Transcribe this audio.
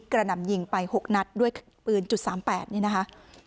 กระหน่ำยิงไปหกนัดด้วยปืนจุดสามแปดเนี่ยนะคะ